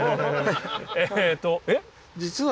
えっとえ？